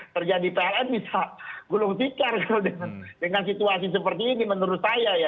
terjadi pln bisa gulung tikar kalau dengan situasi seperti ini menurut saya ya